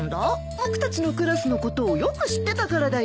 僕たちのクラスのことをよく知ってたからだよ。